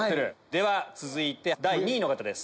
では続いて第２位の方です。